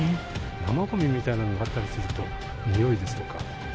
生ごみみたいなのがあったりすると、臭いですとか。